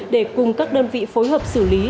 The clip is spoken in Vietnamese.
để cùng các đơn vị phối hợp xử lý